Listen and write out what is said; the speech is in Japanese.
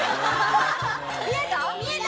見えた？